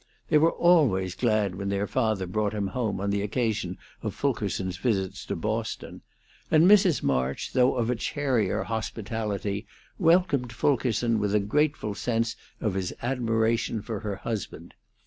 They were always glad when their father brought him home on the occasion of Fulkerson's visits to Boston; and Mrs. March, though of a charier hospitality, welcomed Fulkerson with a grateful sense of his admiration for her husband.